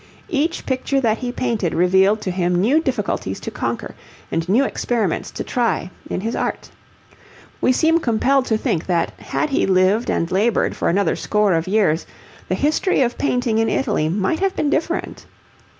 Each picture that he painted revealed to him new difficulties to conquer, and new experiments to try, in his art. We seem compelled to think that had he lived and laboured for another score of years, the history of painting in Italy might have been different.